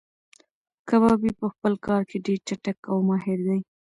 کبابي په خپل کار کې ډېر چټک او ماهیر دی.